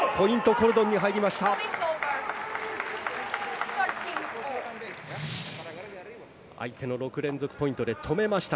コルドンに入りました。